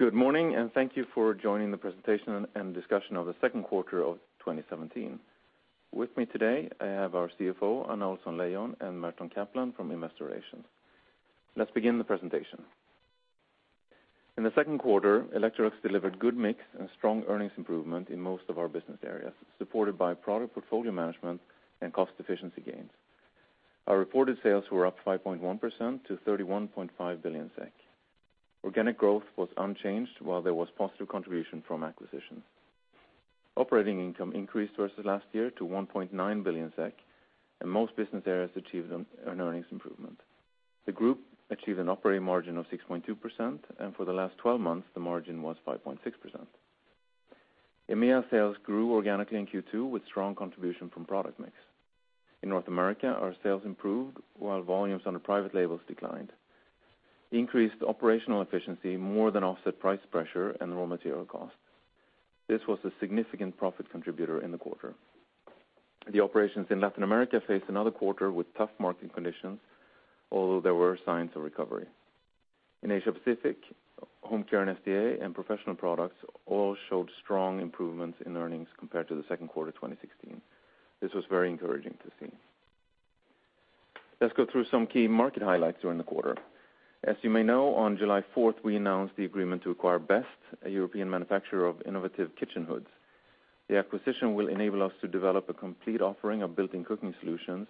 Good morning, thank you for joining the presentation and discussion of the second quarter of 2017. With me today, I have our CFO, Anna Ohlsson-Leijon, and Mårten Kaplan from Investor Relations. Let's begin the presentation. In the second quarter, Electrolux delivered good mix and strong earnings improvement in most of our business areas, supported by product portfolio management and cost efficiency gains. Our reported sales were up 5.1% to 31.5 billion SEK. Organic growth was unchanged, while there was positive contribution from acquisition. Operating income increased versus last year to 1.9 billion SEK, most business areas achieved an earnings improvement. The group achieved an operating margin of 6.2%, for the last 12 months, the margin was 5.6%. EMEA sales grew organically in Q2, with strong contribution from product mix. In North America, our sales improved, while volumes on the private labels declined. Increased operational efficiency more than offset price pressure and raw material costs. This was a significant profit contributor in the quarter. The operations in Latin America faced another quarter with tough market conditions, although there were signs of recovery. In Asia Pacific, home care and SDA and professional products all showed strong improvements in earnings compared to the second quarter, 2016. This was very encouraging to see. Let's go through some key market highlights during the quarter. As you may know, on July fourth, we announced the agreement to acquire Best, a European manufacturer of innovative kitchen hoods. The acquisition will enable us to develop a complete offering of built-in cooking solutions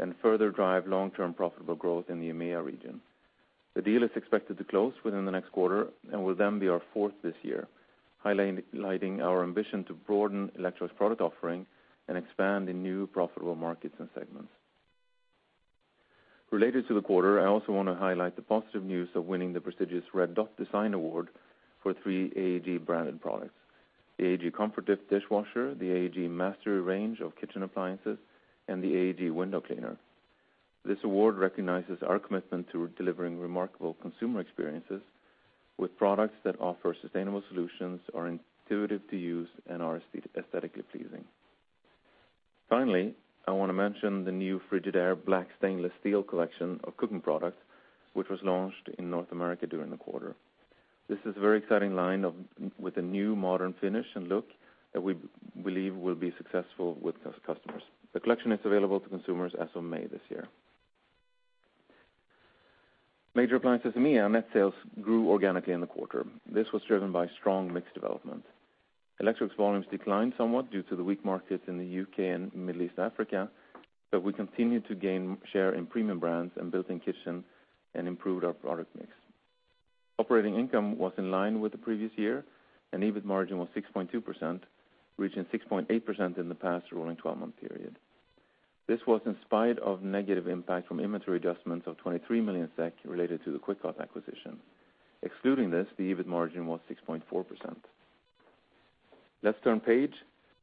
and further drive long-term profitable growth in the EMEA region. The deal is expected to close within the next quarter and will then be our fourth this year, highlighting our ambition to broaden Electrolux product offering and expand in new profitable markets and segments. Related to the quarter, I also want to highlight the positive news of winning the prestigious Red Dot Design Award for three AEG branded products. The AEG ComfortLift dishwasher, the AEG Mastery Range of kitchen appliances, and the AEG window cleaner. This award recognizes our commitment to delivering remarkable consumer experiences with products that offer sustainable solutions, are intuitive to use, and are aesthetically pleasing. Finally, I want to mention the new Frigidaire Black Stainless Steel collection of cooking products, which was launched in North America during the quarter. This is a very exciting line with a new modern finish and look that we believe will be successful with those customers. The collection is available to consumers as of May this year. Major appliances EMEA, net sales grew organically in the quarter. This was driven by strong mix development. Electrolux volumes declined somewhat due to the weak markets in the UK and Middle East, Africa, but we continued to gain share in premium brands and built-in kitchen and improved our product mix. Operating income was in line with the previous year, and EBIT margin was 6.2%, reaching 6.8% in the past rolling 12-month period. This was in spite of negative impact from inventory adjustments of 23 million SEK related to the Kwikot acquisition. Excluding this, the EBIT margin was 6.4%. Let's turn page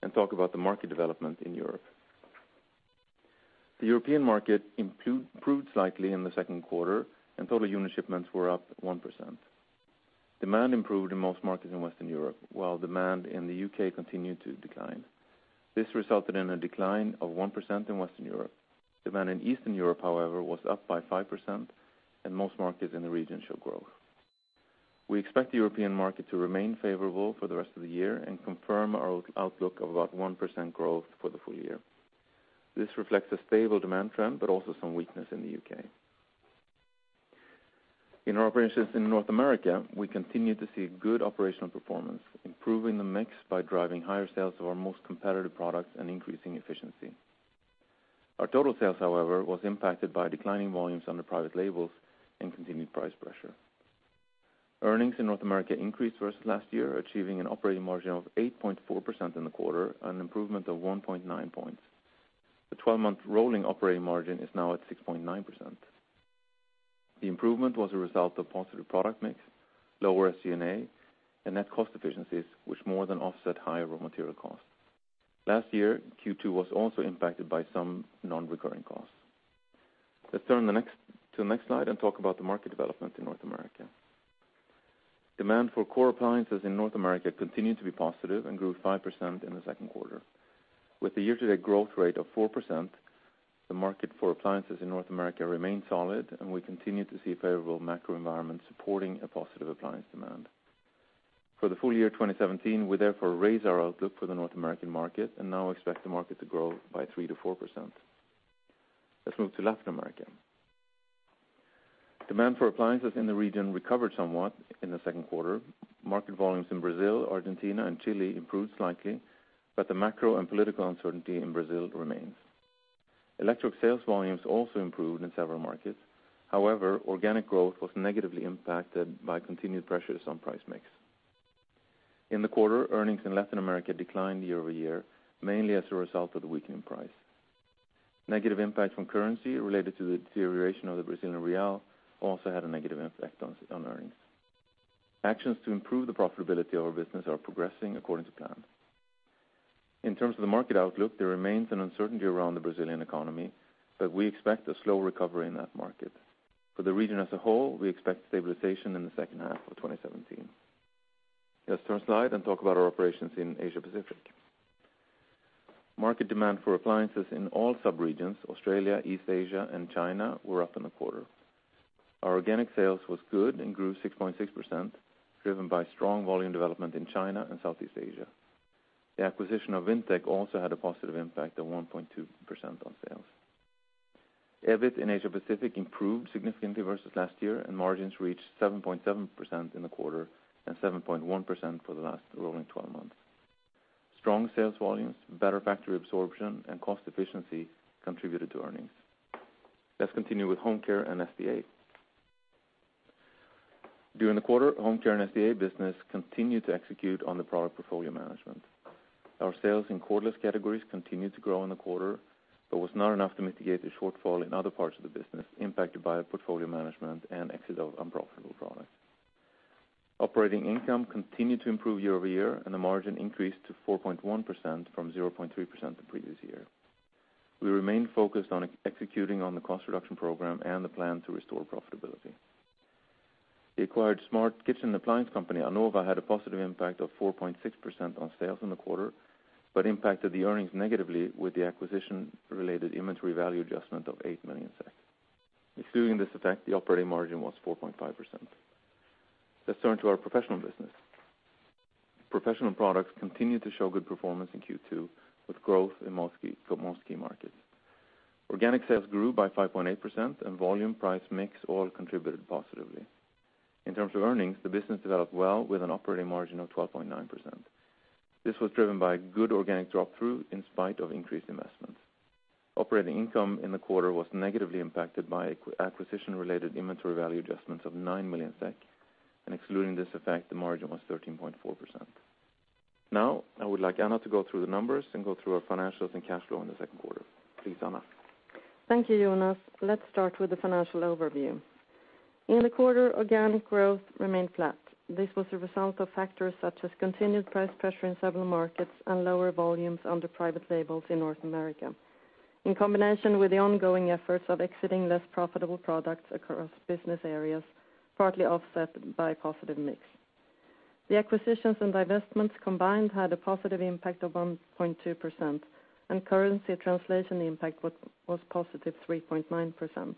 and talk about the market development in Europe. The European market improved slightly in the second quarter, and total unit shipments were up 1%. Demand improved in most markets in Western Europe, while demand in the UK continued to decline. This resulted in a decline of 1% in Western Europe. Demand in Eastern Europe, however, was up by 5%, and most markets in the region show growth. We expect the European market to remain favorable for the rest of the year and confirm our out-outlook of about 1% growth for the full year. This reflects a stable demand trend, but also some weakness in the UK. In our operations in North America, we continue to see good operational performance, improving the mix by driving higher sales of our most competitive products and increasing efficiency. Our total sales, however, was impacted by declining volumes under private labels and continued price pressure. Earnings in North America increased versus last year, achieving an operating margin of 8.4% in the quarter, an improvement of 1.9 points. The 12-month rolling operating margin is now at 6.9%. The improvement was a result of positive product mix, lower SG&A, and net cost efficiencies, which more than offset higher raw material costs. Last year, Q2 was also impacted by some non-recurring costs. Let's turn to the next slide and talk about the market development in North America. Demand for core appliances in North America continued to be positive and grew 5% in the second quarter. With a year-to-date growth rate of 4%, the market for appliances in North America remains solid, and we continue to see a favorable macro environment supporting a positive appliance demand. For the full year 2017, we therefore raise our outlook for the North American market and now expect the market to grow by 3%-4%. Let's move to Latin America. Demand for appliances in the region recovered somewhat in the second quarter. Market volumes in Brazil, Argentina, and Chile improved slightly. The macro and political uncertainty in Brazil remains. Electrolux sales volumes also improved in several markets. Organic growth was negatively impacted by continued pressures on price mix. In the quarter, earnings in Latin America declined year-over-year, mainly as a result of the weakening price. Negative impact from currency related to the deterioration of the Brazilian real also had a negative effect on earnings. Actions to improve the profitability of our business are progressing according to plan. In terms of the market outlook, there remains an uncertainty around the Brazilian economy. We expect a slow recovery in that market. For the region as a whole, we expect stabilization in the second half of 2017. Let's turn slide and talk about our operations in Asia Pacific. Market demand for appliances in all sub-regions, Australia, East Asia, and China, were up in the quarter. Our organic sales was good and grew 6.6%, driven by strong volume development in China and Southeast Asia. The acquisition of Vintec also had a positive impact of 1.2% on sales. EBIT in Asia Pacific improved significantly versus last year, and margins reached 7.7% in the quarter, and 7.1% for the last rolling 12 months. Strong sales volumes, better factory absorption, and cost efficiency contributed to earnings. Let's continue with Home Care and SDA. During the quarter, Home Care and SDA business continued to execute on the product portfolio management. Our sales in cordless categories continued to grow in the quarter, but was not enough to mitigate the shortfall in other parts of the business, impacted by portfolio management and exit of unprofitable products. Operating income continued to improve year-over-year, and the margin increased to 4.1% from 0.3% the previous year. We remain focused on executing on the cost reduction program and the plan to restore profitability. The acquired smart kitchen appliance company, Anova, had a positive impact of 4.6% on sales in the quarter, but impacted the earnings negatively with the acquisition-related inventory value adjustment of 8 million SEK. Excluding this effect, the operating margin was 4.5%. Let's turn to our professional business. Professional products continued to show good performance in Q2, with growth in most key markets. Organic sales grew by 5.8%, volume price mix all contributed positively. In terms of earnings, the business developed well with an operating margin of 12.9%. This was driven by good organic drop-through in spite of increased investments. Operating income in the quarter was negatively impacted by acquisition-related inventory value adjustments of 9 million SEK, excluding this effect, the margin was 13.4%. I would like Anna to go through the numbers and go through our financials and cash flow in the second quarter. Please, Anna. Thank you, Jonas. Let's start with the financial overview. In the quarter, organic growth remained flat. This was a result of factors such as continued price pressure in several markets and lower volumes under private labels in North America. In combination with the ongoing efforts of exiting less profitable products across business areas, partly offset by positive mix. The acquisitions and divestments combined had a positive impact of 1.2%, currency translation impact was positive 3.9%.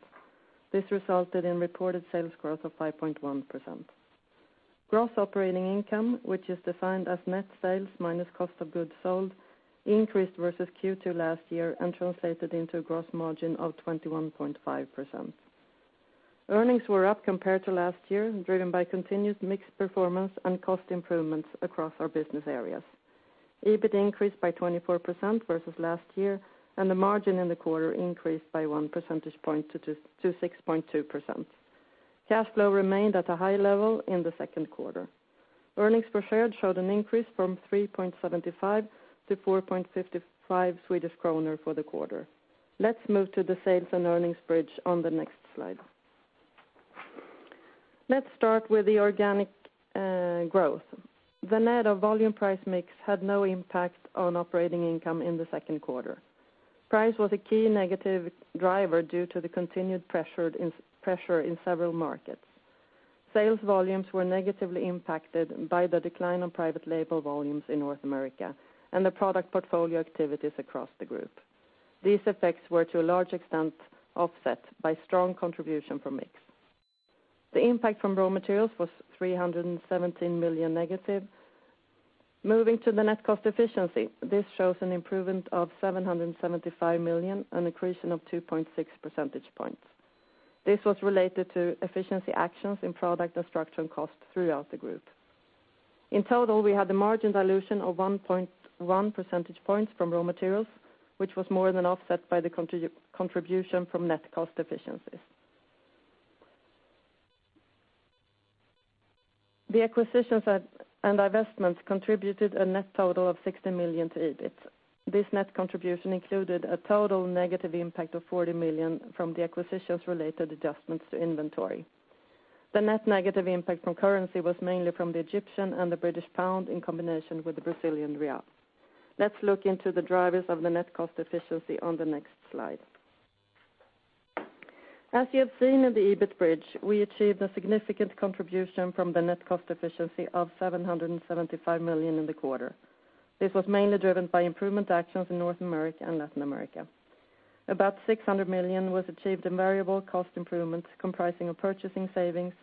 This resulted in reported sales growth of 5.1%. Gross Operating Income, which is defined as net sales minus cost of goods sold, increased versus Q2 last year and translated into a gross margin of 21.5%. Earnings were up compared to last year, driven by continued mixed performance and cost improvements across our business areas. EBIT increased by 24% versus last year, and the margin in the quarter increased by one percentage point to 6.2%. Cash flow remained at a high level in the second quarter. Earnings per share showed an increase from 3.75 to 4.55 Swedish kronor for the quarter. Let's move to the sales and earnings bridge on the next slide. Let's start with the organic growth. The net of volume price mix had no impact on operating income in the second quarter. Price was a key negative driver due to the continued pressure in several markets. Sales volumes were negatively impacted by the decline on private label volumes in North America and the product portfolio activities across the group. These effects were, to a large extent, offset by strong contribution from mix. The impact from raw materials was 317 million negative. Moving to the net cost efficiency, this shows an improvement of 775 million, an accretion of 2.6 percentage points. This was related to efficiency actions in product structure and cost throughout the group. In total, we had a margin dilution of 1.1 percentage points from raw materials, which was more than offset by the contribution from net cost efficiencies. The acquisitions and investments contributed a net total of 60 million to EBIT. This net contribution included a total negative impact of 40 million from the acquisitions-related adjustments to inventory. The net negative impact from currency was mainly from the Egyptian and the British pound, in combination with the Brazilian real. Let's look into the drivers of the net cost efficiency on the next slide. As you have seen in the EBIT bridge, we achieved a significant contribution from the net cost efficiency of 775 million in the quarter. This was mainly driven by improvement actions in North America and Latin America. About 600 million was achieved in variable cost improvements, comprising of purchasing savings,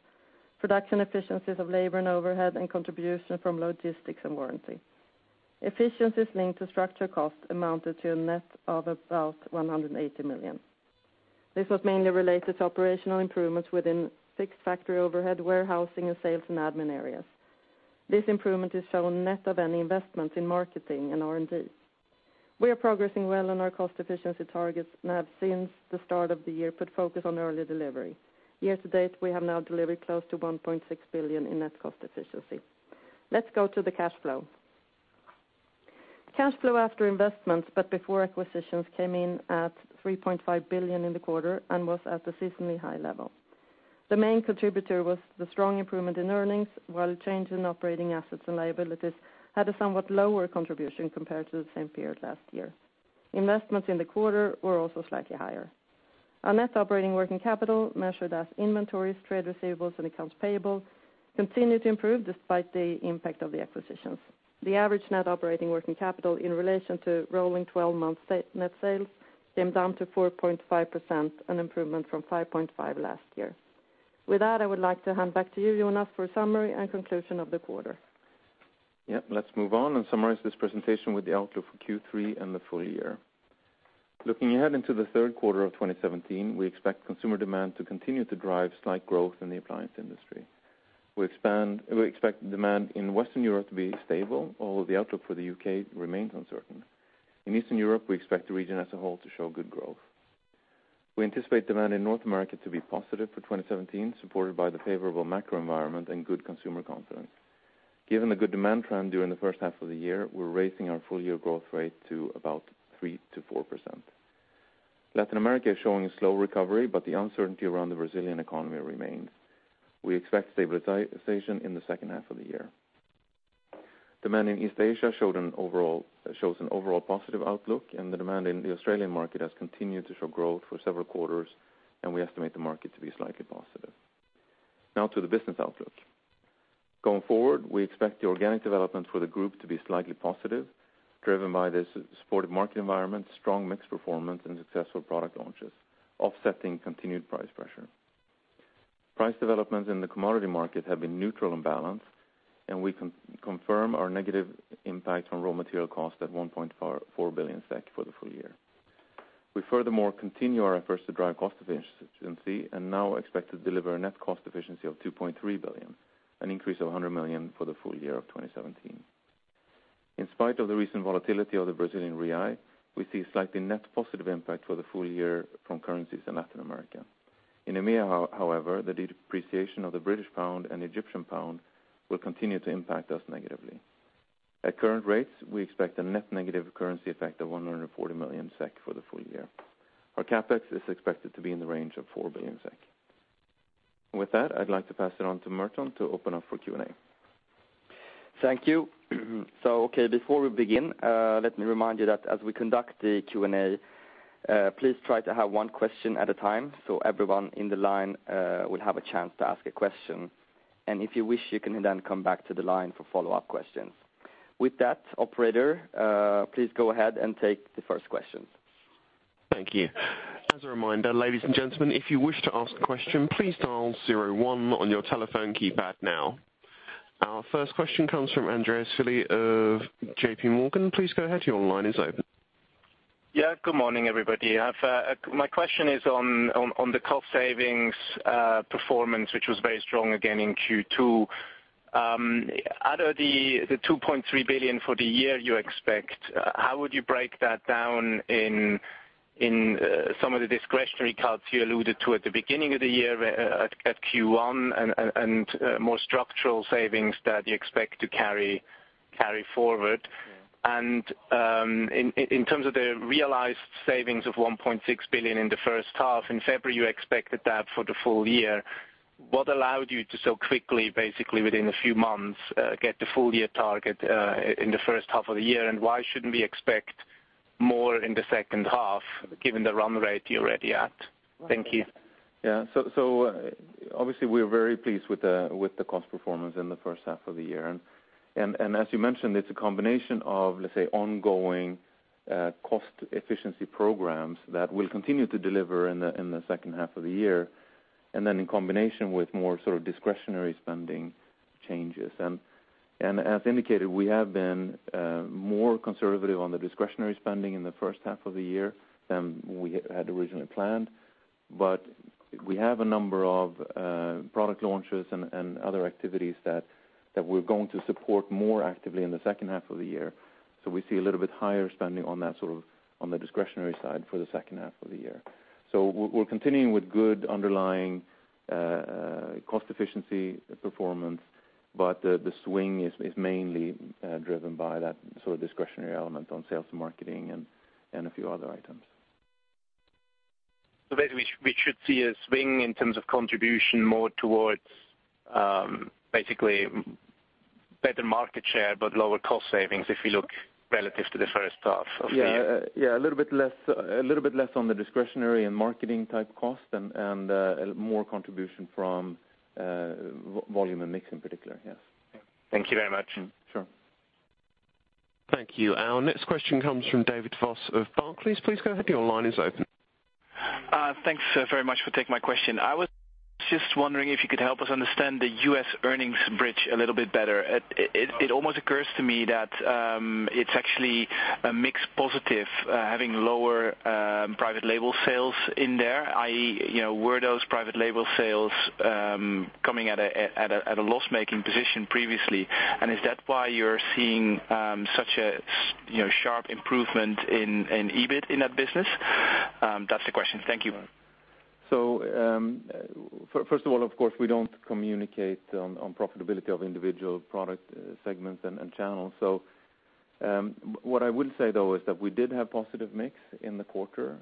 production efficiencies of labor and overhead, and contribution from logistics and warranty. Efficiencies linked to structure cost amounted to a net of about 180 million. This was mainly related to operational improvements within fixed factory overhead, warehousing, and sales and admin areas. This improvement is shown net of any investments in marketing and R&D. We are progressing well on our cost efficiency targets, and have, since the start of the year, put focus on early delivery. Year to date, we have now delivered close to 1.6 billion in net cost efficiency. Let's go to the cash flow. Cash flow after investments, but before acquisitions, came in at 3.5 billion in the quarter and was at the seasonally high level. The main contributor was the strong improvement in earnings, while change in operating assets and liabilities had a somewhat lower contribution compared to the same period last year. Investments in the quarter were also slightly higher. Our net operating working capital, measured as inventories, trade receivables, and accounts payable, continued to improve despite the impact of the acquisitions. The average net operating working capital in relation to rolling 12-month net sales came down to 4.5%, an improvement from 5.5% last year. With that, I would like to hand back to you, Jonas, for a summary and conclusion of the quarter. Let's move on and summarize this presentation with the outlook for Q3 and the full year. Looking ahead into the third quarter of 2017, we expect consumer demand to continue to drive slight growth in the appliance industry. We expect demand in Western Europe to be stable, although the outlook for the UK remains uncertain. In Eastern Europe, we expect the region as a whole to show good growth. We anticipate demand in North America to be positive for 2017, supported by the favorable macro environment and good consumer confidence. Given the good demand trend during the first half of the year, we're raising our full year growth rate to about 3%-4%. Latin America is showing a slow recovery, but the uncertainty around the Brazilian economy remains. We expect stabilization in the second half of the year. Demand in East Asia shows an overall positive outlook. The demand in the Australian market has continued to show growth for several quarters. We estimate the market to be slightly positive. Now to the business outlook. Going forward, we expect the organic development for the group to be slightly positive, driven by this supportive market environment, strong mix performance, and successful product launches, offsetting continued price pressure. Price developments in the commodity market have been neutral and balanced. We confirm our negative impact on raw material cost at 1.4 billion SEK for the full year. We furthermore continue our efforts to drive cost efficiency and now expect to deliver a net cost efficiency of 2.3 billion SEK, an increase of 100 million SEK for the full year of 2017. In spite of the recent volatility of the Brazilian real, we see a slightly net positive impact for the full year from currencies in Latin America. In EMEA, however, the depreciation of the British pound and Egyptian pound will continue to impact us negatively. At current rates, we expect a net negative currency effect of 140 million SEK for the full year. Our CapEx is expected to be in the range of 4 billion SEK. With that, I'd like to pass it on to Merton to open up for Q&A. Thank you. Okay, before we begin, let me remind you that as we conduct the Q&A, please try to have one question at a time so everyone in the line will have a chance to ask a question. If you wish, you can then come back to the line for follow-up questions. With that, operator, please go ahead and take the first question. Thank you. As a reminder, ladies and gentlemen, if you wish to ask a question, please dial zero one on your telephone keypad now. Our first question comes from Andres Sevi of JPMorgan. Please go ahead. Your line is open. Yeah, good morning, everybody. I've, my question is on the cost savings performance, which was very strong again in Q2. Out of the 2.3 billion for the year you expect, how would you break that down in some of the discretionary cuts you alluded to at the beginning of the year, at Q1, and more structural savings that you expect to carry forward? In terms of the realized savings of 1.6 billion in the first half, in February, you expected that for the full year. What allowed you to so quickly, basically within a few months, get the full year target in the first half of the year? Why shouldn't we expect more in the second half, given the run rate you're already at? Thank you. Yeah. Obviously, we're very pleased with the cost performance in the first half of the year. As you mentioned, it's a combination of, let's say, ongoing cost efficiency programs that will continue to deliver in the second half of the year, and then in combination with more sort of discretionary spending changes. As indicated, we have been more conservative on the discretionary spending in the first half of the year than we had originally planned. We have a number of product launches and other activities that we're going to support more actively in the second half of the year. We see a little bit higher spending on that sort of, on the discretionary side for the second half of the year. We're continuing with good underlying cost efficiency performance, but the swing is mainly driven by that sort of discretionary element on sales and marketing and a few other items. Basically, we should see a swing in terms of contribution more towards, basically better market share, but lower cost savings if we look relative to the first half of the year? Yeah, a little bit less on the discretionary and marketing type cost and more contribution from volume and mix in particular, yes. Thank you very much. Sure. Thank you. Our next question comes from David Voss of Barclays. Please go ahead, your line is open. Thanks very much for taking my question. I was just wondering if you could help us understand the U.S. earnings bridge a little bit better. It almost occurs to me that it's actually a mixed positive having lower private label sales in there, i.e., you know, were those private label sales coming at a loss-making position previously? Is that why you're seeing such a, you know, sharp improvement in EBIT in that business? That's the question. Thank you. First of all, of course, we don't communicate on profitability of individual product segments and channels. What I would say, though, is that we did have positive mix in the quarter.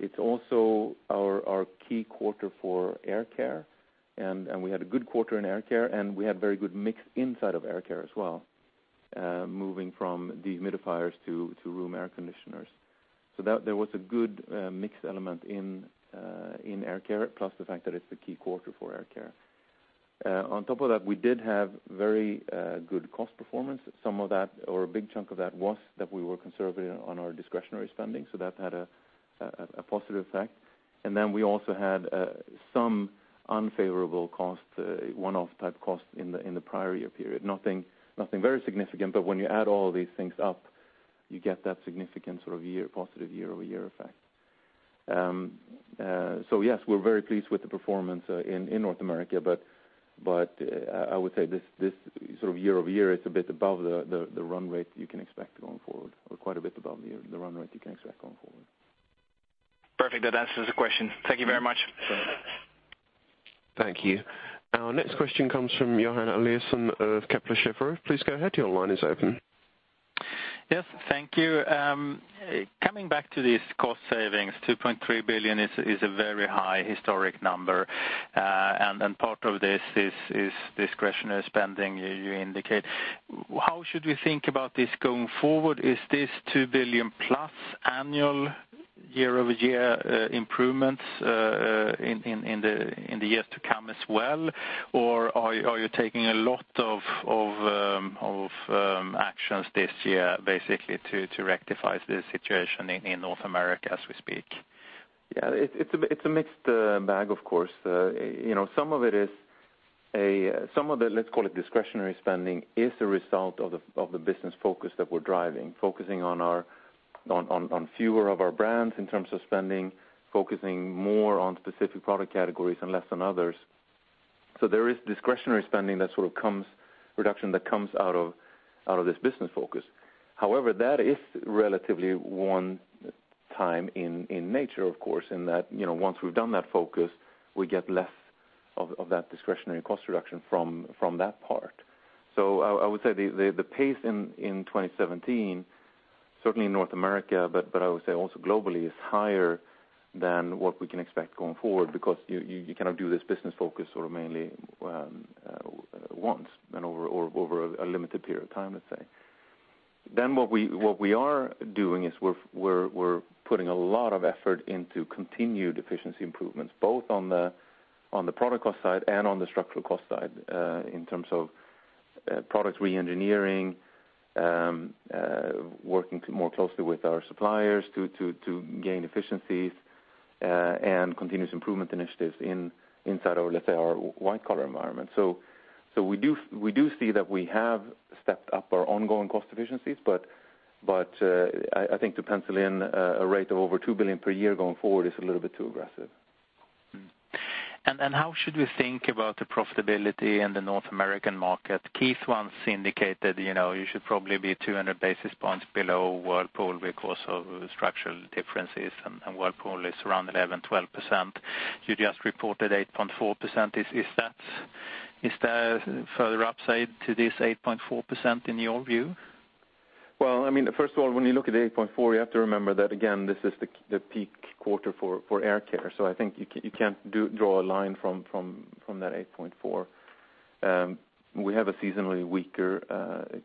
It's also our key quarter for Air Care, and we had a good quarter in Air Care, and we had very good mix inside of Air Care as well. Moving from dehumidifiers to room air conditioners. That there was a good mixed element in Air Care, plus the fact that it's the key quarter for Air Care. On top of that, we did have very good cost performance. Some of that, or a big chunk of that, was that we were conservative on our discretionary spending, so that had a positive effect. We also had some unfavorable costs, one-off type costs in the prior year period. Nothing very significant, but when you add all these things up, you get that significant sort of year, positive year-over-year effect. Yes, we're very pleased with the performance in North America, but I would say this sort of year-over-year is a bit above the run rate you can expect going forward, or quite a bit above the run rate you can expect going forward. Perfect. That answers the question. Thank you very much. Sure. Thank you. Our next question comes from Johan Eliasson of Kepler Cheuvreux. Please go ahead, your line is open. Yes, thank you. Coming back to these cost savings, 2.3 billion is a very high historic number. And part of this is discretionary spending, you indicate. How should we think about this going forward? Is this 2 billion-plus annual year-over-year improvements in the years to come as well? Or are you taking a lot of actions this year, basically, to rectify the situation in North America as we speak? It's, it's a, it's a mixed bag, of course. you know, some of it is Some of the, let's call it discretionary spending, is a result of the, of the business focus that we're driving, focusing on fewer of our brands in terms of spending, focusing more on specific product categories and less on others. There is discretionary spending that sort of comes, reduction that comes out of this business focus. That is relatively one time in nature, of course, in that, you know, once we've done that focus, we get less of that discretionary cost reduction from that part. I would say the pace in 2017, certainly in North America, but I would say also globally, is higher than what we can expect going forward, because you kind of do this business focus sort of mainly once and over, or over a limited period of time, let's say. What we are doing is we're putting a lot of effort into continued efficiency improvements, both on the product cost side and on the structural cost side, in terms of product reengineering, working more closely with our suppliers to gain efficiencies, and continuous improvement initiatives inside our, let's say, our white collar environment. We do see that we have stepped up our ongoing cost efficiencies, but I think to pencil in a rate of over 2 billion per year going forward is a little bit too aggressive. Mm-hmm. How should we think about the profitability in the North American market? Keith once indicated, you know, you should probably be 200 basis points below Whirlpool because of structural differences, and Whirlpool is around 11%-12%. You just reported 8.4%. Is there further upside to this 8.4% in your view? Well, I mean, first of all, when you look at the 8.4%, you have to remember that, again, this is the peak quarter for Air Care. I think you can't draw a line from that 8.4%. We have a seasonally weaker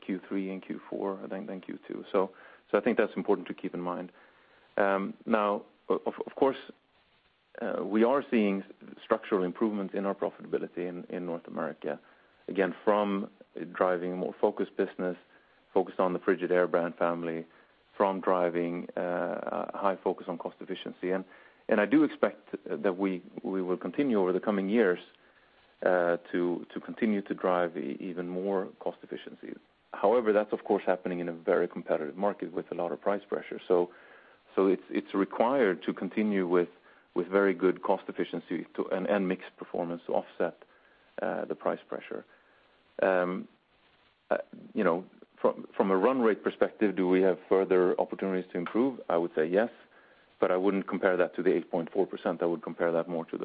Q3 and Q4 than Q2. I think that's important to keep in mind. Now, of course, we are seeing structural improvements in our profitability in North America, again, from driving a more focused business, focused on the Frigidaire brand family, from driving a high focus on cost efficiency. I do expect that we will continue over the coming years to continue to drive even more cost efficiency. That's, of course, happening in a very competitive market with a lot of price pressure. It's required to continue with very good cost efficiency to and mixed performance to offset the price pressure. you know, from a run rate perspective, do we have further opportunities to improve? I would say yes, but I wouldn't compare that to the 8.4%. I would compare that more to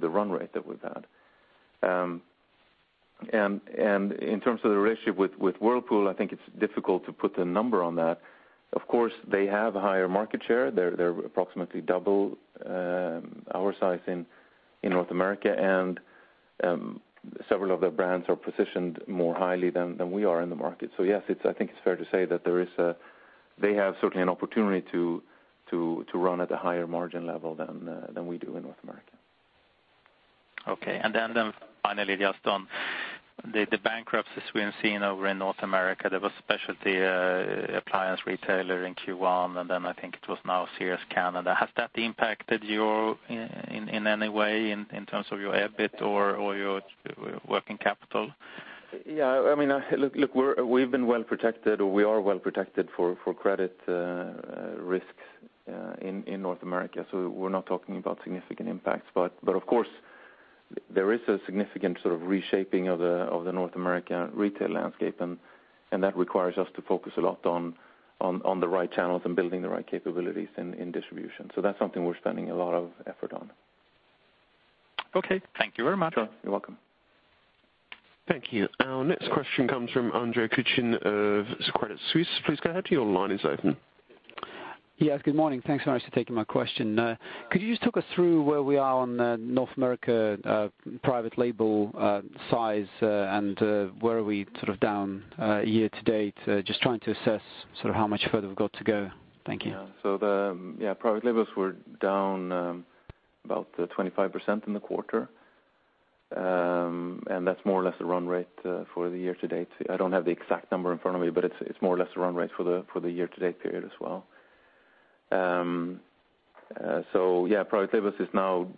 the run rate that we've had. In terms of the relationship with Whirlpool, I think it's difficult to put a number on that. Of course, they have a higher market share. They're approximately double our size in North America, and several of their brands are positioned more highly than we are in the market. Yes, it's, I think it's fair to say that they have certainly an opportunity to run at a higher margin level than we do in North America. Okay. Finally, just on the bankruptcies we've been seeing over in North America, there was specialty, appliance retailer in Q1, and then I think it was now Sears Canada. Has that impacted you in any way in terms of your EBIT or your working capital? Yeah, I mean, look, we've been well protected, or we are well protected for credit risks in North America, so we're not talking about significant impacts. But of course, there is a significant sort of reshaping of the North America retail landscape, and that requires us to focus a lot on the right channels and building the right capabilities in distribution. That's something we're spending a lot of effort on. Okay. Thank you very much. Sure, you're welcome. Thank you. Our next question comes from Andre Kukhnin of Credit Suisse. Please go ahead, your line is open. Yes, good morning. Thanks so much for taking my question. Could you just talk us through where we are on the North America private label size, and where are we sort of down year to date? Just trying to assess sort of how much further we've got to go. Thank you. Yeah. The, yeah, private labels were down about 25% in the quarter. That's more or less the run rate for the year to date. I don't have the exact number in front of me, but it's more or less the run rate for the year to date period as well. Yeah, private labels is now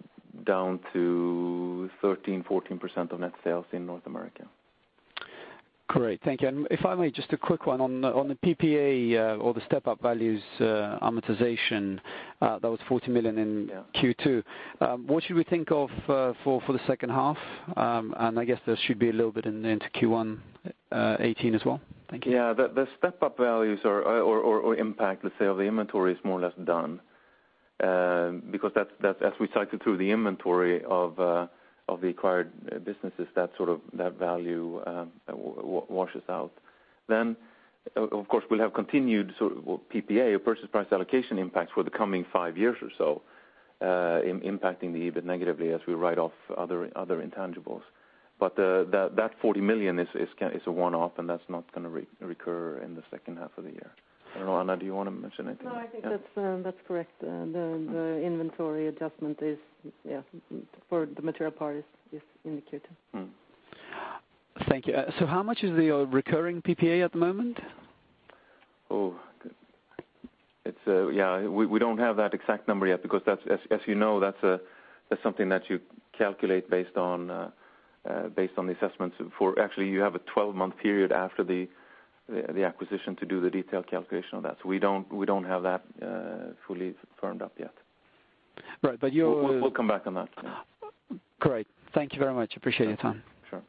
down to 13%, 14% of net sales in North America. Great. Thank you. If I may, just a quick one on the, on the PPA, or the step-up values, amortization, that was 40 million. Yeah Q2. What should we think of for the second half? I guess there should be a little bit into Q1 2018 as well. Thank you. Yeah. The step-up values or impact, let's say, of the inventory is more or less done. Because as we cycle through the inventory of the acquired businesses, that sort of, that value washes out. Of course, we'll have continued sort of, well, PPA, purchase price allocation impacts for the coming five years or so, impacting the EBIT negatively as we write off other intangibles. That 40 million is a one-off, and that's not gonna recur in the second half of the year. I don't know, Anna, do you want to mention anything? No, I think that's correct. The inventory adjustment is, yeah, for the material part is in the Q2. Thank you. How much is the recurring PPA at the moment? It's, yeah, we don't have that exact number yet, because that's, as you know, that's something that you calculate based on the assessments for. Actually, you have a 12-month period after the acquisition to do the detailed calculation on that. We don't have that fully firmed up yet. Right. We'll come back on that. Great. Thank you very much. Appreciate your time. Sure.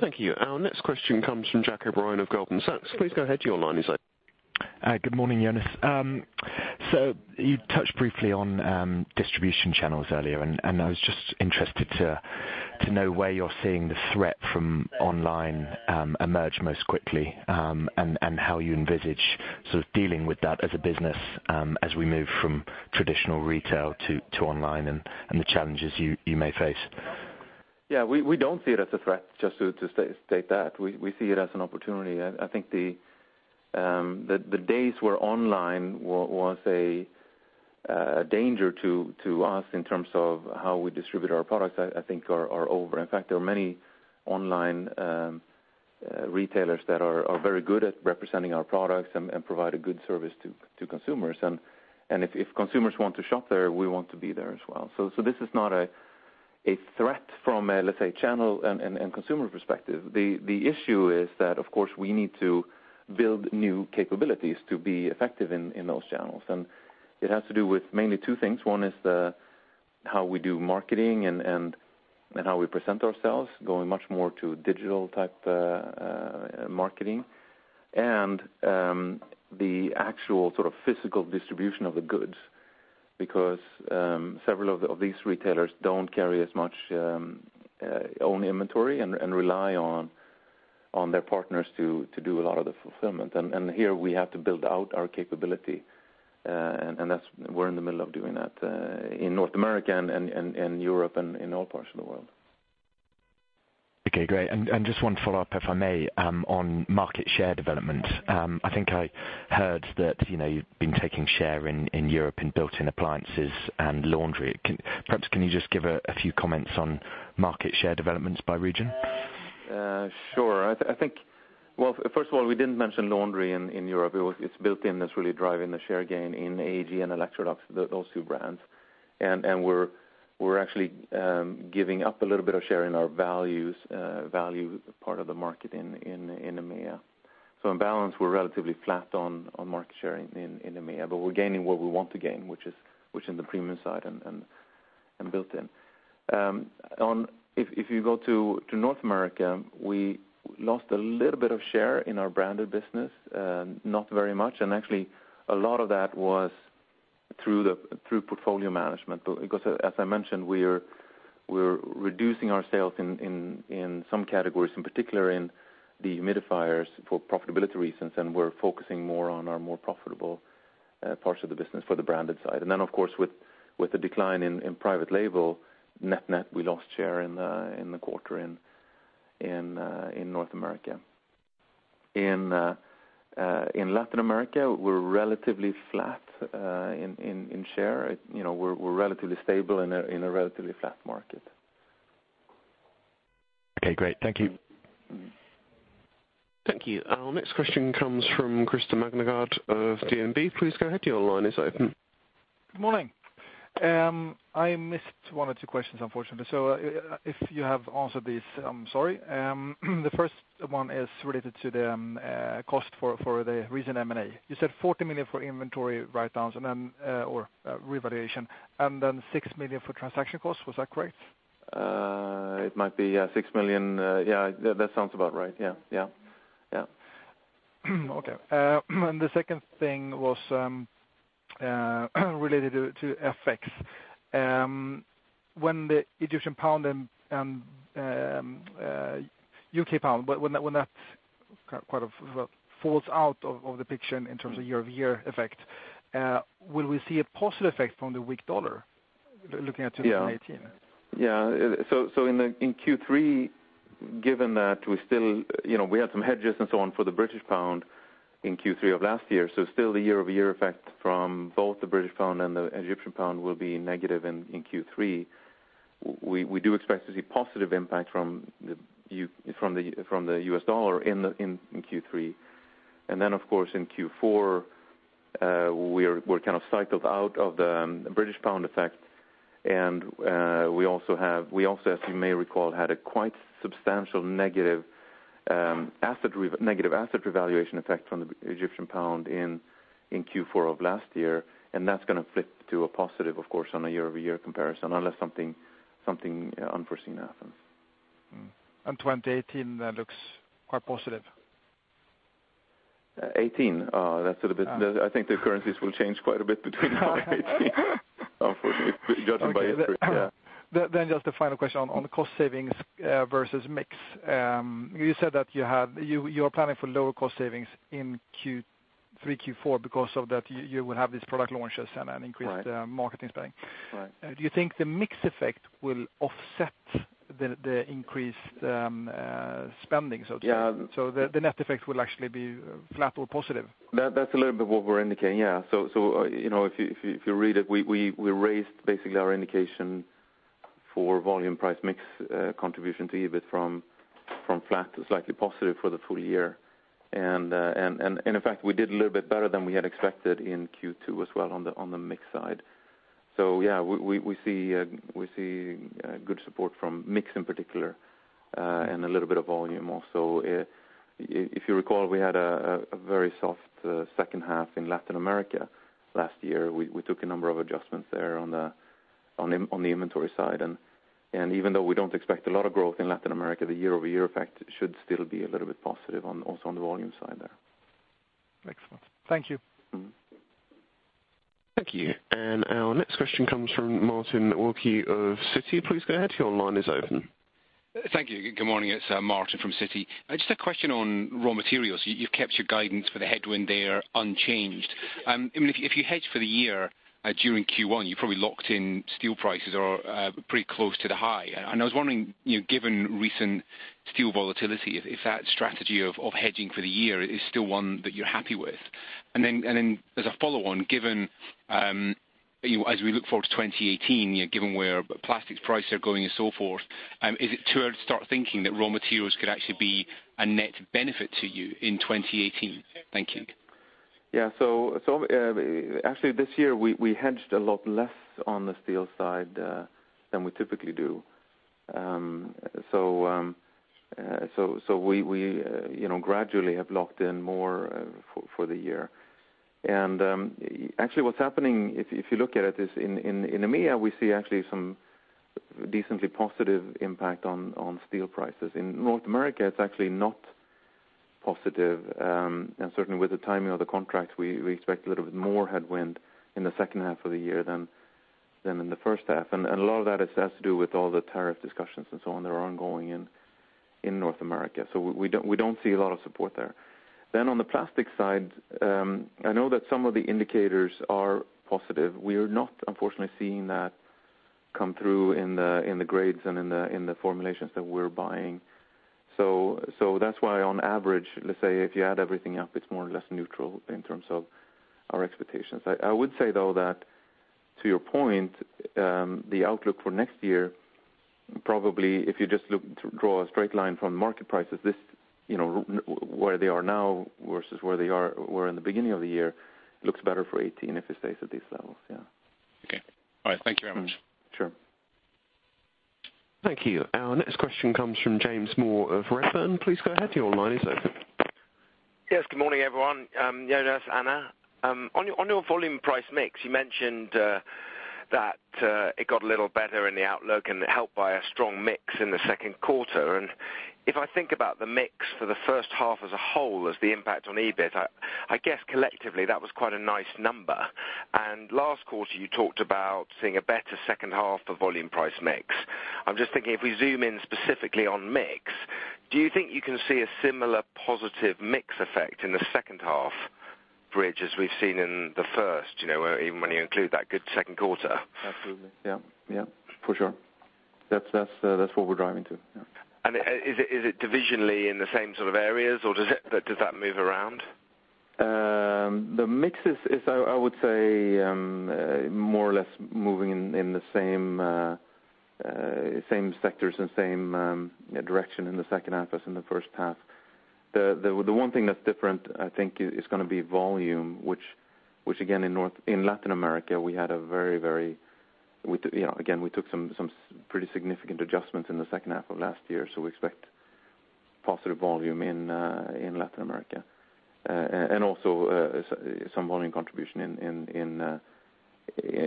Thank you. Our next question comes from Jack O'Brien of Goldman Sachs. Please go ahead, your line is open. Good morning, Jonas. You touched briefly on distribution channels earlier, and I was just interested to know where you're seeing the threat from online emerge most quickly, and how you envisage sort of dealing with that as a business, as we move from traditional retail to online, and the challenges you may face. Yeah, we don't see it as a threat, just to state that. We see it as an opportunity. I think the days where online was a danger to us in terms of how we distribute our products, I think are over. In fact, there are many online retailers that are very good at representing our products and provide a good service to consumers. If consumers want to shop there, we want to be there as well. This is not a threat from a, let's say, channel and consumer perspective. The issue is that, of course, we need to build new capabilities to be effective in those channels. It has to do with mainly two things. One is the, how we do marketing and how we present ourselves, going much more to digital-type marketing. The actual sort of physical distribution of the goods, because several of these retailers don't carry as much own inventory and rely on their partners to do a lot of the fulfillment. Here we have to build out our capability, and that's we're in the middle of doing that in North America and Europe, and in all parts of the world. Okay, great. Just one follow-up, if I may, on market share development. I think I heard that, you know, you've been taking share in Europe in built-in appliances and laundry. Perhaps, can you just give a few comments on market share developments by region? Sure. I think. Well, first of all, we didn't mention laundry in Europe. It's built-in that's really driving the share gain in AEG and Electrolux, those two brands. We're actually giving up a little bit of share in our values, value part of the market in EMEA. In balance, we're relatively flat on market share in EMEA, but we're gaining what we want to gain, which is in the premium side and built-in. If you go to North America, we lost a little bit of share in our branded business, not very much, and actually a lot of that was through portfolio management. As I mentioned, we're reducing our sales in some categories, in particular in the humidifiers for profitability reasons, and we're focusing more on our more profitable parts of the business for the branded side. Of course, with the decline in private label, net-net, we lost share in the quarter in North America. In Latin America, we're relatively flat in share. You know, we're relatively stable in a relatively flat market. Okay, great. Thank you. Mm-hmm. Thank you. Our next question comes from Christer Magnergård of DNB. Please go ahead, your line is open. Good morning. I missed one or two questions, unfortunately, so if you have answered these, I'm sorry. The first one is related to the cost for the recent M&A. You said 40 million for inventory writedowns, and then or revaluation, and then 6 million for transaction costs. Was that correct? It might be, yeah, 6 million. Yeah, that sounds about right, yeah. Yeah. Okay. The second thing was. ... related to FX. When the Egyptian pound and UK pound, when that kind of falls out of the picture in terms of year-over-year effect, will we see a positive effect from the weak dollar, looking at 2018? Yeah. Yeah, so in the, in Q3, given that we still, you know, we had some hedges and so on for the British pound in Q3 of last year, so still the year-over-year effect from both the British pound and the Egyptian pound will be negative in Q3. We do expect to see positive impact from the US dollar in Q3. Of course, in Q4, we're kind of cycled out of the British pound effect. We also, as you may recall, had a quite substantial negative asset revaluation effect from the Egyptian pound in Q4 of last year, and that's gonna flip to a positive, of course, on a year-over-year comparison, unless something unforeseen happens. 2018, that looks quite positive? 18? That's a little bit... Ah. I think the currencies will change quite a bit between now and 2018, unfortunately, judging by history, yeah. Just a final question on the cost savings versus mix. You said that you're planning for lower cost savings in Q3, Q4 because of that, you will have these product launches and an increased- Right. marketing spending. Right. Do you think the mix effect will offset the increased spending, so to speak? Yeah. The net effect will actually be flat or positive? That's a little bit what we're indicating, yeah. You know, if you read it, we raised basically our indication for volume price mix contribution to EBIT from flat to slightly positive for the full year. In fact, we did a little bit better than we had expected in Q2 as well, on the mix side. Yeah, we see good support from mix in particular, and a little bit of volume also. If you recall, we had a very soft second half in Latin America last year. We took a number of adjustments there on the inventory side. Even though we don't expect a lot of growth in Latin America, the year-over-year effect should still be a little bit positive on, also on the volume side there. Excellent. Thank you. Mm-hmm. Thank you. Our next question comes from Martin Wilkie of Citi. Please go ahead. Your line is open. Thank you. Good morning, it's Martin from Citi. Just a question on raw materials. You've kept your guidance for the headwind there unchanged. I mean, if you hedge for the year, during Q1, you probably locked in steel prices or pretty close to the high. I was wondering, you know, given recent steel volatility, if that strategy of hedging for the year is still one that you're happy with? As a follow-on, given, you know, as we look forward to 2018, you know, given where plastics prices are going and so forth, is it too early to start thinking that raw materials could actually be a net benefit to you in 2018? Thank you. Actually, this year, we hedged a lot less on the steel side than we typically do. You know, gradually have locked in more for the year. Actually, what's happening, if you look at it, is in EMEA, we see actually some decently positive impact on steel prices. In North America, it's actually not positive. Certainly with the timing of the contracts, we expect a little bit more headwind in the second half of the year than in the first half. A lot of that has to do with all the tariff discussions and so on, that are ongoing in North America. We don't see a lot of support there. On the plastic side, I know that some of the indicators are positive. We are not, unfortunately, seeing that come through in the grades and in the formulations that we're buying. That's why on average, let's say, if you add everything up, it's more or less neutral in terms of our expectations. I would say, though, that to your point, the outlook for next year, probably if you just look, draw a straight line from market prices, this, you know, where they are now versus where they were in the beginning of the year, looks better for 18 if it stays at these levels, yeah. Okay. All right. Thank you very much. Sure. Thank you. Our next question comes from James Moore of Redburn. Please go ahead, your line is open. Yes, good morning, everyone. Yeah, that's Anna. On your, on your volume price mix, you mentioned that it got a little better in the outlook and helped by a strong mix in the second quarter. If I think about the mix for the first half as a whole, as the impact on EBIT, I guess collectively, that was quite a nice number. Last quarter, you talked about seeing a better second half for volume price mix. I'm just thinking, if we zoom in specifically on mix, do you think you can see a similar positive mix effect in the second half, Bridge, as we've seen in the first, you know, even when you include that good second quarter? Absolutely. Yeah. Yeah, for sure. That's what we're driving to, yeah. Is it divisionally in the same sort of areas, or does that move around? The mix is, I would say, more or less moving in the same sectors and same direction in the second half as in the first half. The one thing that's different, I think, is gonna be volume, which again, in Latin America, we had a very. You know, again, we took some pretty significant adjustments in the second half of last year, so we expect positive volume in Latin America. Also, some volume contribution in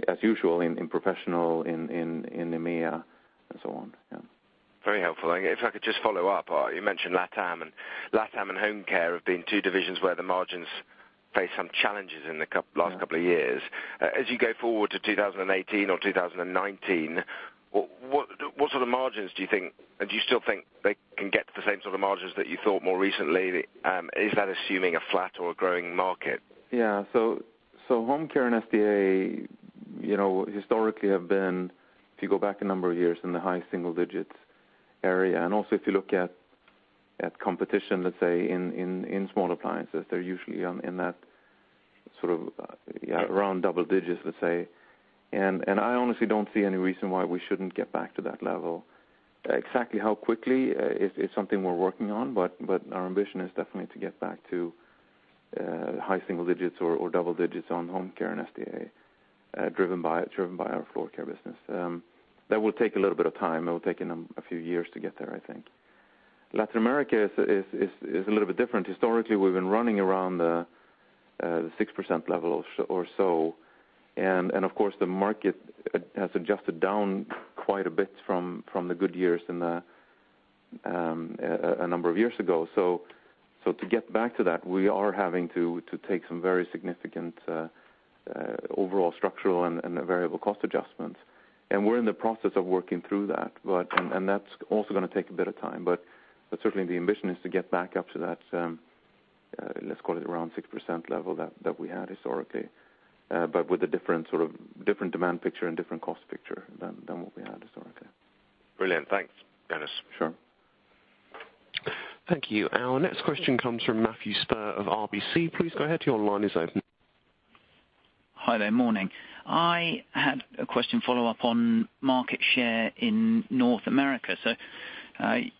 as usual, in professional, in EMEA and so on. Very helpful. If I could just follow up, you mentioned LATAM, and LATAM and Home Care have been two divisions where the margins faced some challenges in the last couple of years. Yeah. As you go forward to 2018 or 2019, what sort of margins do you think, do you still think they can get to the same sort of margins that you thought more recently? Is that assuming a flat or a growing market? Yeah. Home Care and SDA, you know, historically have been, if you go back a number of years, in the high single digits area. Also if you look at competition, let's say, in small appliances, they're usually on, in that sort of, yeah, around double digits, let's say. I honestly don't see any reason why we shouldn't get back to that level. Exactly how quickly is something we're working on, but our ambition is definitely to get back to high single digits or double digits on Home Care and SDA, driven by our floor care business. That will take a little bit of time. It will take a few years to get there, I think. Latin America is a little bit different. Historically, we've been running around the 6% level or so, and of course, the market has adjusted down quite a bit from the good years in a number of years ago. To get back to that, we are having to take some very significant overall structural and variable cost adjustments. We're in the process of working through that, and that's also gonna take a bit of time, but certainly the ambition is to get back up to that, let's call it around 6% level that we had historically. With a different sort of, different demand picture and different cost picture than what we had historically. Brilliant. Thanks, Jonas. Sure. Thank you. Our next question comes from Matthew Spurr of RBC. Please go ahead. Your line is open. Hi there. Morning. I had a question follow-up on market share in North America.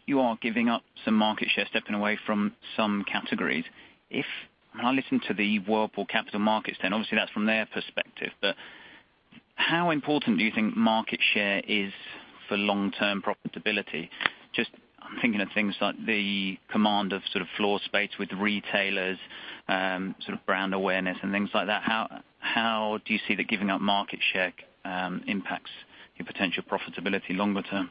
You are giving up some market share, stepping away from some categories. If, when I listen to the Whirlpool capital markets, then obviously that's from their perspective, but how important do you think market share is for long-term profitability? I'm thinking of things like the command of sort of floor space with retailers, sort of brand awareness and things like that. How do you see that giving up market share impacts your potential profitability longer term?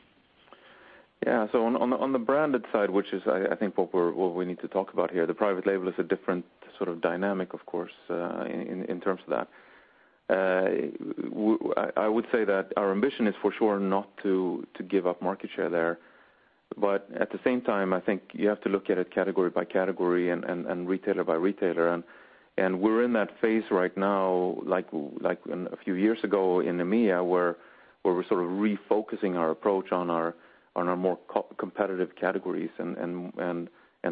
Yeah. On the branded side, which is, I think what we need to talk about here, the private label is a different sort of dynamic, of course, in terms of that. I would say that our ambition is for sure not to give up market share there. At the same time, I think you have to look at it category by category and retailer by retailer. We're in that phase right now, like in a few years ago in EMEA, where we're sort of refocusing our approach on our more co- competitive categories and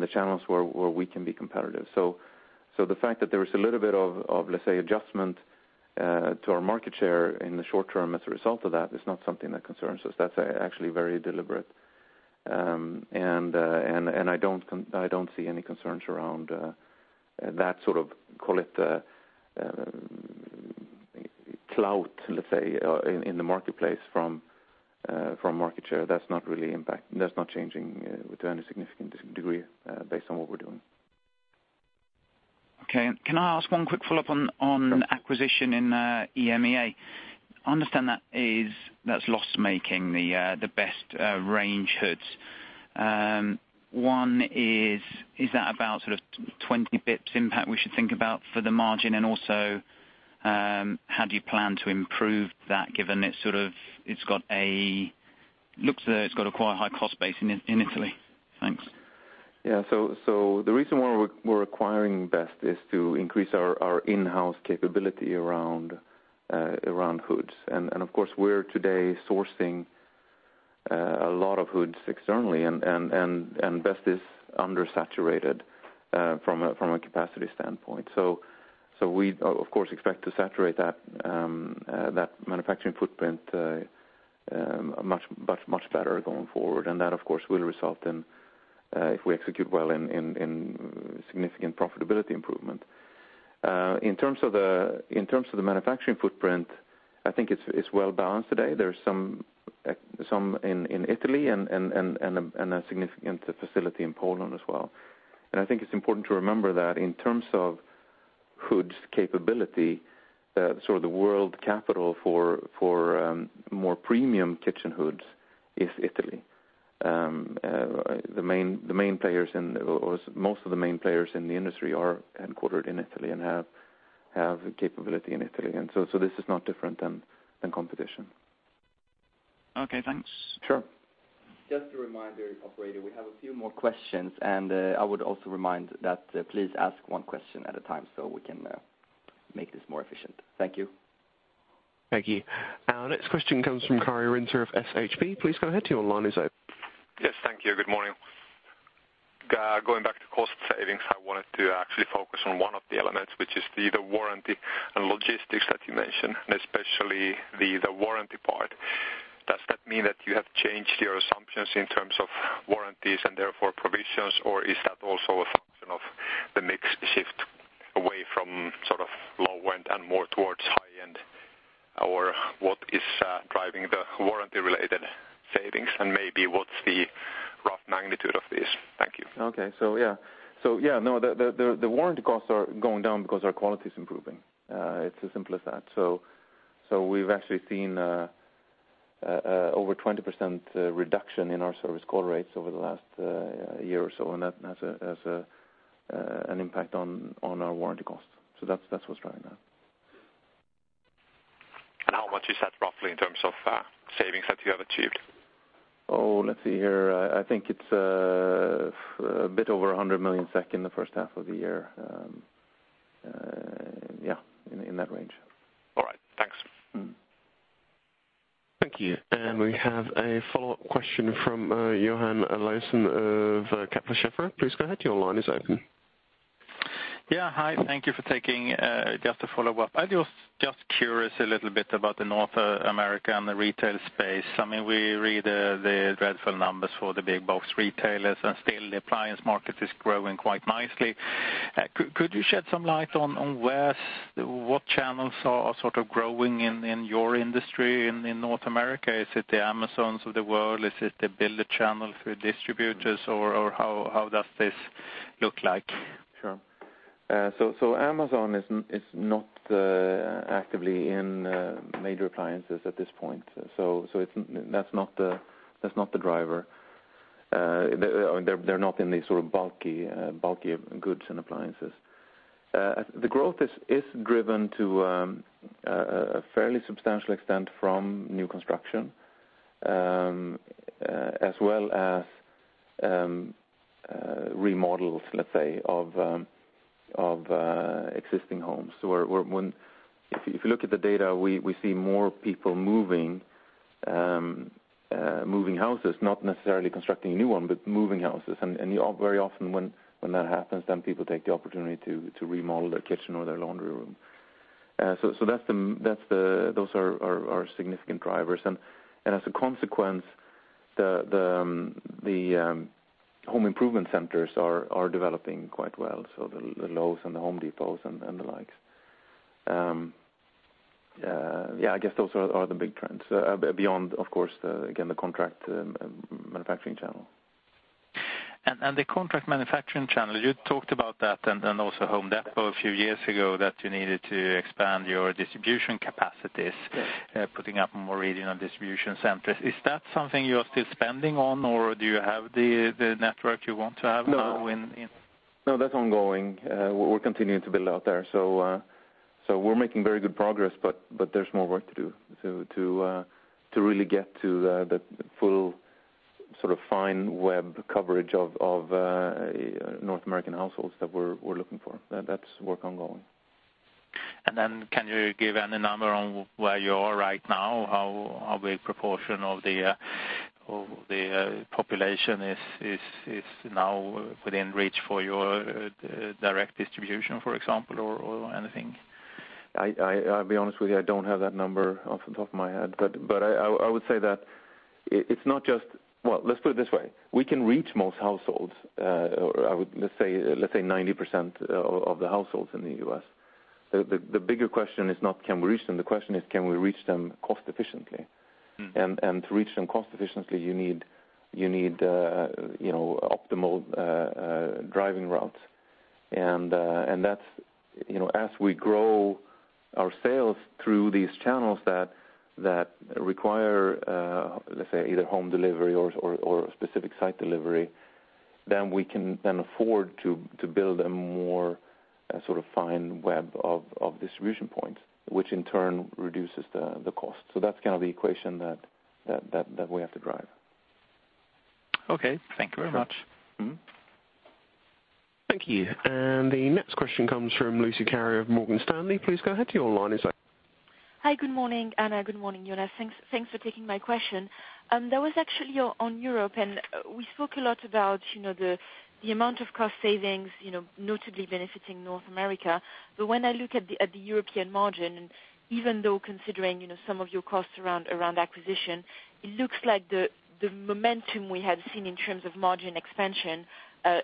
the channels where we can be competitive. The fact that there is a little bit of, let's say, adjustment to our market share in the short term as a result of that, is not something that concerns us. That's actually very deliberate. I don't see any concerns around that sort of, call it, clout, let's say, in the marketplace from market share. That's not really changing to any significant degree based on what we're doing. Okay. Can I ask one quick follow-up on? Sure acquisition in EMEA? I understand that is, that's loss-making, the Best range hoods. One, is that about sort of 20 basis points impact we should think about for the margin? Also, how do you plan to improve that, given it's sort of, it's got a, looks it's got a quite high cost base in Italy? Thanks. Yeah. The reason why we're acquiring Best is to increase our in-house capability around hoods. Of course, we're today sourcing a lot of hoods externally, and Best is undersaturated from a capacity standpoint. We of course, expect to saturate that manufacturing footprint much better going forward. That, of course, will result in if we execute well in significant profitability improvement. In terms of the manufacturing footprint, I think it's well balanced today. There's some in Italy and a significant facility in Poland as well. I think it's important to remember that in terms of hoods capability, sort of the world capital for more premium kitchen hoods is Italy. The main players in, or most of the main players in the industry are headquartered in Italy and have capability in Italy, and so this is not different than competition. Okay, thanks. Sure. Just a reminder, operator, we have a few more questions, and, I would also remind that, please ask one question at a time so we can make this more efficient. Thank you. Thank you. Our next question comes from Karri Rinta of SHB. Please go ahead. Your line is open. Yes. Thank you. Good morning. Going back to cost savings, I wanted to actually focus on one of the elements, which is the warranty and logistics that you mentioned, and especially the warranty part. Does that mean that you have changed your assumptions in terms of warranties and therefore provisions, or is that also a function of the mix shift away from sort of low end and more towards high end? Or what is driving the warranty-related- maybe what's the rough magnitude of this? Thank you. Okay. Yeah, no, the warranty costs are going down because our quality is improving. It's as simple as that. We've actually seen over 20% reduction in our service call rates over the last year or so, and that has an impact on our warranty costs. That's what's driving that. How much is that, roughly, in terms of savings that you have achieved? Oh, let's see here. I think it's, a bit over 100 million SEK in the first half of the year. Yeah, in that range. All right. Thanks. Mm-hmm. Thank you. We have a follow-up question from Johan Eliason of Kepler Cheuvreux. Please go ahead, your line is open. Yeah, hi. Thank you for taking just a follow-up. I was just curious a little bit about the North America and the retail space. I mean, we read the dreadful numbers for the big box retailers, and still, the appliance market is growing quite nicely. Could you shed some light on where, what channels are sort of growing in your industry in North America? Is it the Amazons of the world? Is it the builder channel through distributors, or how does this look like? Sure. Amazon is not actively in major appliances at this point. That's not the driver. They're not in the sort of bulky goods and appliances. The growth is driven to a fairly substantial extent from new construction, as well as remodels, let's say, of existing homes. Where If you look at the data, we see more people moving houses, not necessarily constructing a new one, but moving houses. And very often when that happens, then people take the opportunity to remodel their kitchen or their laundry room. So those are significant drivers. As a consequence, the home improvement centers are developing quite well, so the Lowe's and the Home Depots and the likes. Yeah, I guess those are the big trends beyond, of course, the again, the contract manufacturing channel. The contract manufacturing channel, you talked about that and also Home Depot a few years ago, that you needed to expand your distribution capacities. Yes... putting up more regional distribution centers. Is that something you are still spending on, or do you have the network you want to have now in? No. No, that's ongoing. We're continuing to build out there. We're making very good progress, but there's more work to do to really get to the full, sort of, fine web coverage of North American households that we're looking for. That's work ongoing. Can you give any number on where you are right now? How big proportion of the, of the population is now within reach for your direct distribution, for example, or anything? I'll be honest with you, I don't have that number off the top of my head. Well, let's put it this way, we can reach most households, or I would let's say, let's say 90% of the households in the U.S. The bigger question is not can we reach them, the question is, can we reach them cost efficiently? Mm. To reach them cost efficiently, you need, you know, optimal driving routes. That's, you know, as we grow our sales through these channels that require, let's say, either home delivery or specific site delivery, then we can then afford to build a more, sort of, fine web of distribution points, which in turn reduces the cost. That's kind of the equation that we have to drive. Okay. Thank you very much. Mm-hmm. Thank you. The next question comes from Lucie Carrier of Morgan Stanley. Please go ahead, your line is open. Hi, good morning, Anna, good morning, Jonas. Thanks, thanks for taking my question. That was actually on Europe. We spoke a lot about, you know, the amount of cost savings, you know, notably benefiting North America. When I look at the European margin, even though considering, you know, some of your costs around acquisition, it looks like the momentum we had seen in terms of margin expansion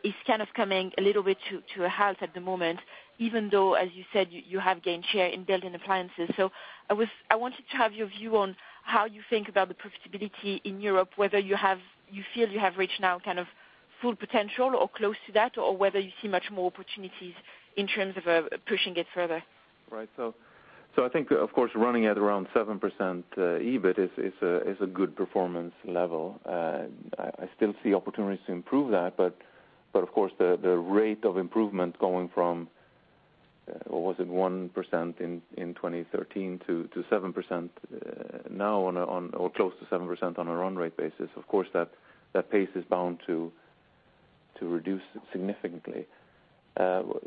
is kind of coming a little bit to a halt at the moment, even though, as you said, you have gained share in built-in appliances. I wanted to have your view on how you think about the profitability in Europe, whether you feel you have reached now kind of full potential or close to that, or whether you see much more opportunities in terms of pushing it further? Right. I think, of course, running at around 7%, EBIT is a good performance level. I still see opportunities to improve that, but of course, the rate of improvement going from, what was it, 1% in 2013 to 7%, now on a, or close to 7% on a run rate basis, of course, that pace is bound to reduce significantly.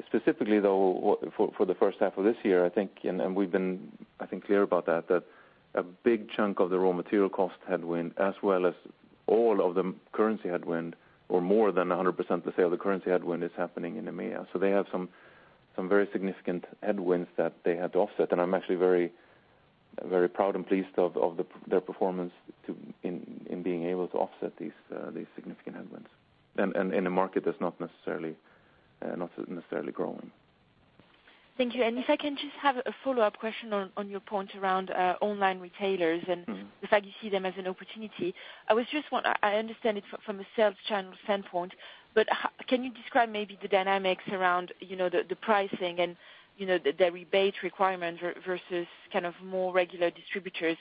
Specifically, though, what, for the first half of this year, I think, and we've been, I think, clear about that a big chunk of the raw material cost headwind, as well as all of the currency headwind, or more than 100% of the currency headwind is happening in EMEA. They have some very significant headwinds that they had to offset, and I'm actually very proud and pleased of the, their performance in being able to offset these significant headwinds. The market is not necessarily growing. Thank you. If I can just have a follow-up question on your point around, online retailers. Mm-hmm. the fact you see them as an opportunity. I understand it from a sales channel standpoint, but can you describe maybe the dynamics around, you know, the pricing and, you know, the rebate requirement versus kind of more regular distributors?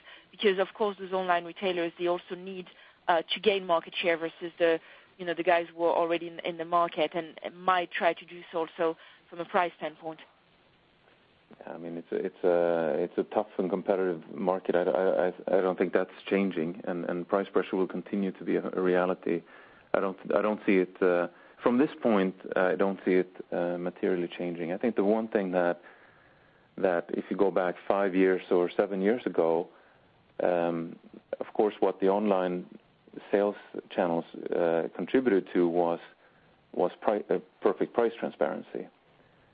Of course, those online retailers, they also need to gain market share versus the, you know, the guys who are already in the market, and might try to do so also from a price standpoint. I mean, it's a tough and competitive market. I don't think that's changing, and price pressure will continue to be a reality. I don't see it. From this point, I don't see it materially changing. I think the one thing that if you go back five years or seven years ago, of course, what the online sales channels contributed to was perfect price transparency.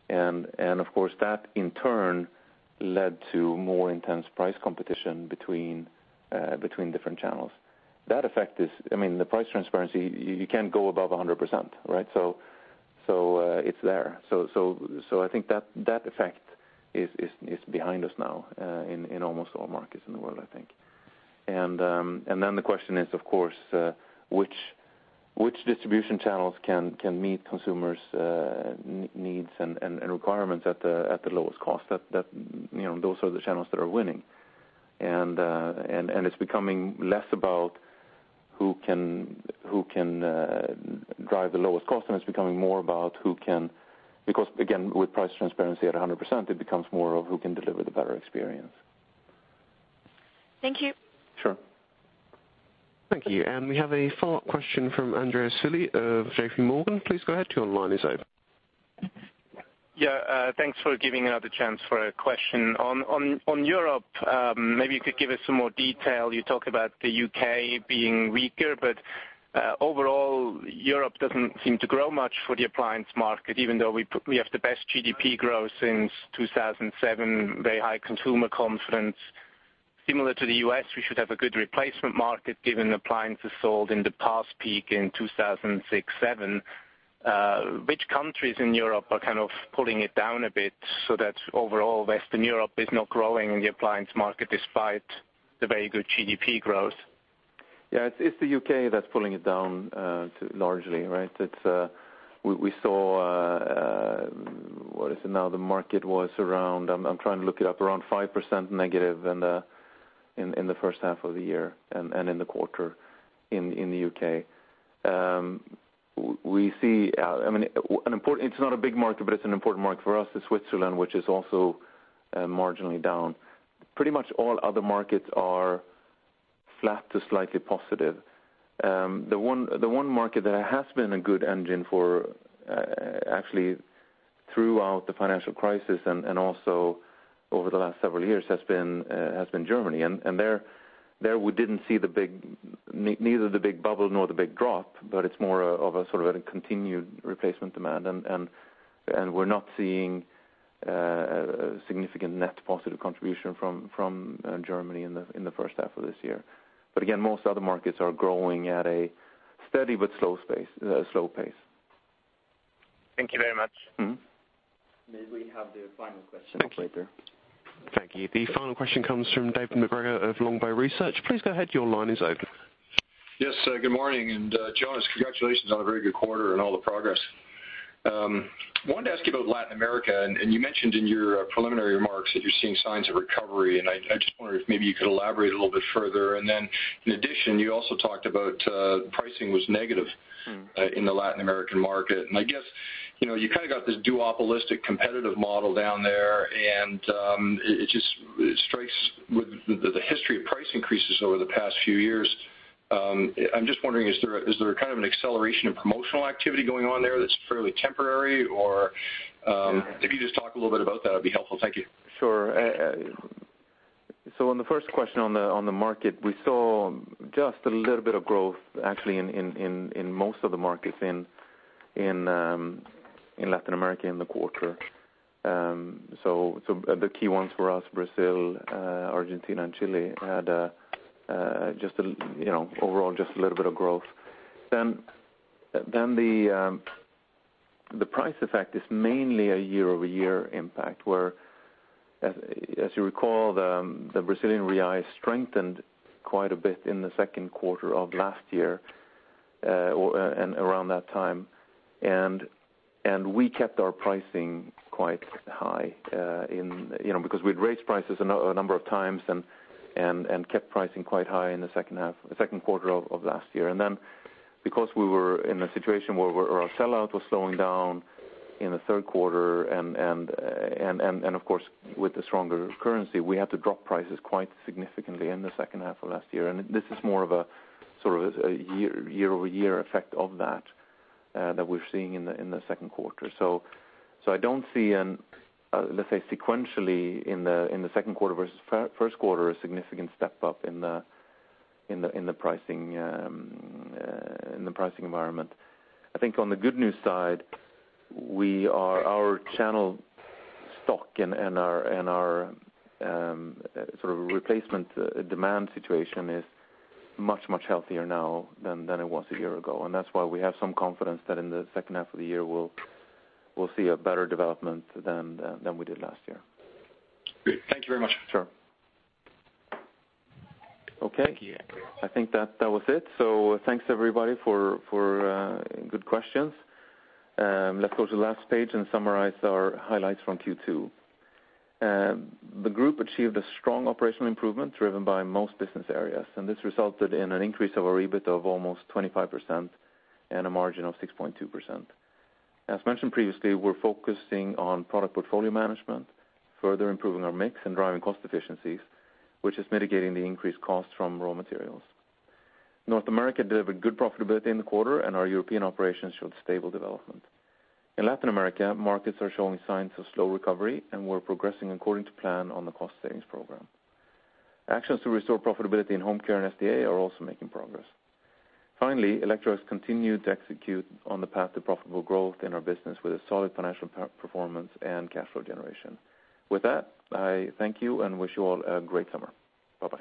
Of course, that in turn led to more intense price competition between different channels. That effect is. I mean, the price transparency, you can't go above 100%, right? It's there. I think that effect is behind us now in almost all markets in the world, I think. Then the question is, of course, which distribution channels can meet consumers' needs and requirements at the lowest cost? That, you know, those are the channels that are winning. It's becoming less about who can drive the lowest cost, and it's becoming more about who can because, again, with price transparency at 100%, it becomes more of who can deliver the better experience. Thank you. Sure. Thank you. We have a follow-up question from Andres Sevi of JPMorgan. Please go ahead, your line is open. Yeah, thanks for giving another chance for a question. On, on Europe, maybe you could give us some more detail. You talk about the UK being weaker. Overall, Europe doesn't seem to grow much for the appliance market, even though we have the best GDP growth since 2007, very high consumer confidence. Similar to the U.S., we should have a good replacement market, given appliances sold in the past, peak in 2006, 2007. Which countries in Europe are kind of pulling it down a bit so that overall Western Europe is not growing in the appliance market despite the very good GDP growth? Yeah, it's the UK that's pulling it down to largely, right? We saw what is it now? The market was around, I'm trying to look it up, around 5% negative in the first half of the year and in the quarter in the U.K. We see, I mean, it's not a big market, but it's an important market for us, is Switzerland, which is also marginally down. Pretty much all other markets are flat to slightly positive. The one market that has been a good engine for actually throughout the financial crisis and also over the last several years, has been Germany. There we didn't see the big, neither the big bubble nor the big drop, but it's more of a, sort of a continued replacement demand. We're not seeing a significant net positive contribution from Germany in the first half of this year. Again, most other markets are growing at a steady but slow pace. Thank you very much. Mm-hmm. Maybe we have the final question later. Thank you. Thank you. The final question comes from David Macgregor of Longbow Research. Please go ahead, your line is open. Yes, good morning, Jonas, congratulations on a very good quarter and all the progress. Wanted to ask you about Latin America, and you mentioned in your preliminary remarks that you're seeing signs of recovery, and I just wonder if maybe you could elaborate a little bit further. In addition, you also talked about pricing was negative- Mm. in the Latin American market. I guess, you know, you kind of got this duopolistic competitive model down there, and it just, it strikes with the history of price increases over the past few years. I'm just wondering, is there kind of an acceleration of promotional activity going on there that's fairly temporary? Or? Yeah. if you just talk a little bit about that, it'd be helpful. Thank you. Sure. On the first question, on the market, we saw just a little bit of growth, actually, in most of the markets in Latin America in the quarter. The key ones for us, Brazil, Argentina and Chile, had just a, you know, overall, just a little bit of growth. The price effect is mainly a year-over-year impact, where as you recall, the Brazilian real strengthened quite a bit in the second quarter of last year, or, and around that time. We kept our pricing quite high, in, you know, because we'd raised prices a number of times and kept pricing quite high in the second half, the second quarter of last year. Because we were in a situation where our sell-out was slowing down in the third quarter, and of course, with the stronger currency, we had to drop prices quite significantly in the second half of last year. This is more of a year-over-year effect of that we're seeing in the second quarter. I don't see sequentially, in the second quarter versus 1st quarter, a significant step up in the pricing environment. I think on the good news side, our channel stock and our replacement demand situation is much healthier now than it was a year ago. That's why we have some confidence that in the second half of the year, we'll see a better development than we did last year. Great. Thank you very much. Sure. Okay. Thank you. I think that was it. Thanks, everybody, for good questions. Let's go to the last page and summarize our highlights from Q2. The group achieved a strong operational improvement driven by most business areas, this resulted in an increase of our EBIT of almost 25% and a margin of 6.2%. As mentioned previously, we're focusing on product portfolio management, further improving our mix and driving cost efficiencies, which is mitigating the increased cost from raw materials. North America delivered good profitability in the quarter, our European operations showed stable development. In Latin America, markets are showing signs of slow recovery, we're progressing according to plan on the cost savings program. Actions to restore profitability in Home Care and SDA are also making progress. Electrolux continued to execute on the path to profitable growth in our business with a solid financial performance and cash flow generation. With that, I thank you and wish you all a great summer. Bye-bye.